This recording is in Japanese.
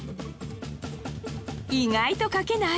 意外と書けない？